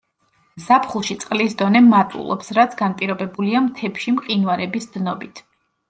ზაფხულში წყლის დონე მატულობს, რაც განპირობებულია მთებში მყინვარების დნობით.